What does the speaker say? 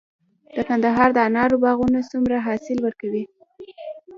د کندهار د انارو باغونه څومره حاصل ورکوي؟